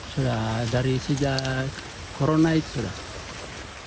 sudah dari sejak corona itu sudah